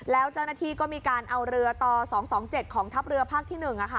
แล้วเจ้าหน้าที่ก็มีการเอาเรือต่อ๒๒๗ของทัพเรือภาคที่๑